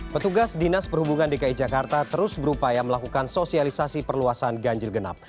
petugas dinas perhubungan dki jakarta terus berupaya melakukan sosialisasi perluasan ganjil genap